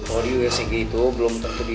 kalau di usg itu belum tertutupi